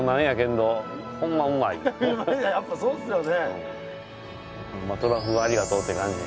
やっぱそうっすよね。